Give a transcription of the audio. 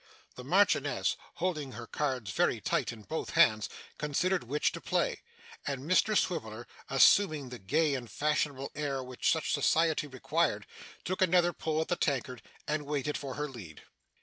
The Marchioness, holding her cards very tight in both hands, considered which to play, and Mr Swiveller, assuming the gay and fashionable air which such society required, took another pull at the tankard, and waited for her lead.